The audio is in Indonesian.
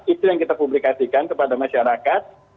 itu yang kita publikasikan kepada masyarakat